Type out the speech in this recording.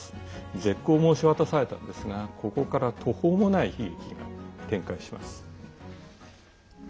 絶交を申し渡されたんですがここから途方もない悲劇に展開します。